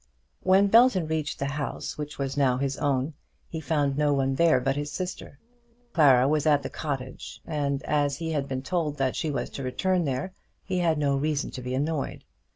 When Belton reached the house which was now his own he found no one there but his sister. Clara was at the cottage. As he had been told that she was to return there, he had no reason to be annoyed.